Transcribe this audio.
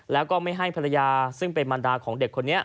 แล้วก็ไม่ให้ภรรยาซึ่งเป็นมันดาของเด็กคนนี้